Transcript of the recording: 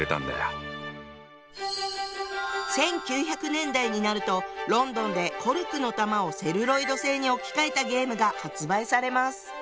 １９００年代になるとロンドンでコルクの球をセルロイド製に置き換えたゲームが発売されます。